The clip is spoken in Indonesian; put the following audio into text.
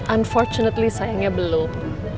unfortunately sayangnya belum